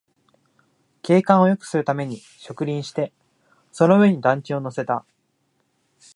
景観をよくするために植林して、その上に団地を乗せた